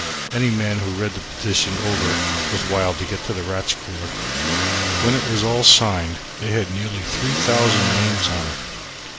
Any man who read that petition over was wild to get to the Rats' Cooler. When it was all signed up they had nearly three thousand names on it.